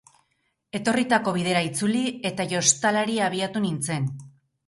Etorritako bidera itzuli, eta jostalari abiatu nintzen.